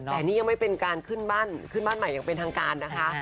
แต่นี่ยังไม่เป็นการขึ้นบ้านใหม่อย่างเป็นทางการนะคะ